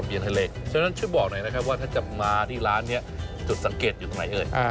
เพราะฉะนั้นช่วยบอกหน่อยนะครับว่าถ้าจะมาที่ร้านนี้จุดสังเกตอยู่ตรงไหนเอ่ย